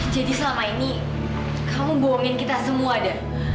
jadi selama ini kamu bohongin kita semua deh